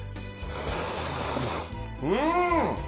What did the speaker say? うん！